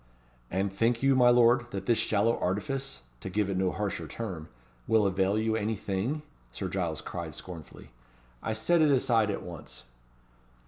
"And think you, my lord, that this shallow artifice to give it no harsher term will avail you any thing?" Sir Giles cried scornfully. "I set it aside at once."